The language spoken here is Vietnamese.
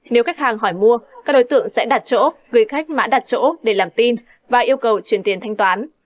nếu khách hàng hỏi mua các đối tượng sẽ đặt chỗ gửi khách mã đặt chỗ để làm tin và yêu cầu truyền tiền thanh toán